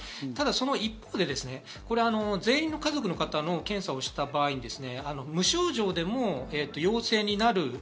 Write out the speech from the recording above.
ただその一方で、全員の家族の方の検査をした場合、無症状でも陽性になる。